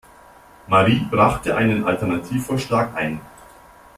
Marie brachte einen Alternativvorschlag ein.